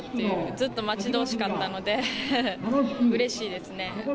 ずっと待ち遠しかったのでうれしいですね。